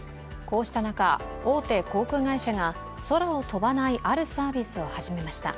こうした中、大手航空会社が空を飛ばないあるサービスを始めました。